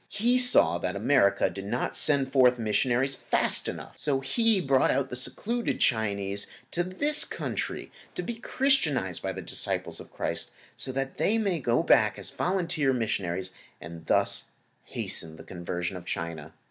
He saw that America did not send forth missionaries fast enough, so He brought out the secluded Chinese to this country to be Christianized by the disciples of Christ, so that they may go back as volunteer missionaries and thus hasten the conversion of China.